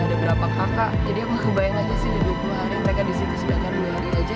ada berapa kakak jadi aku kebayang aja sih hidupnya hari mereka di situ sedangkan dua hari aja